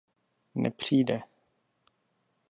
Nepřijde.